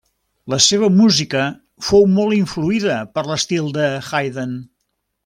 La seva música fou molt influïda per l'estil de Haydn.